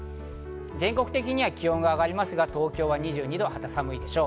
全国的には気温が上がりますが、東京は２２度、肌寒いでしょう。